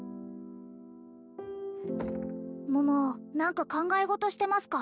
桃何か考え事してますか？